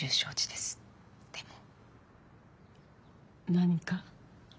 何か？